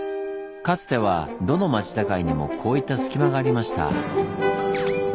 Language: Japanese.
かつてはどの町境にもこういった隙間がありました。